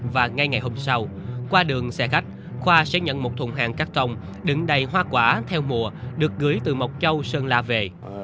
và ngay ngày hôm sau qua đường xe khách khoa sẽ nhận một thùng hàng cắt công đựng đầy hoa quả theo mùa được gửi từ mộc châu sơn la về